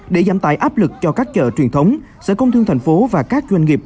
để giảm tài áp lực cho các chợ truyền thống sở công thương thành phố và các doanh nghiệp